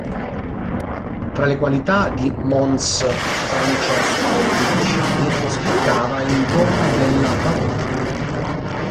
Tra le qualità di mons. Francesco Pedicini spiccava il dono della parola.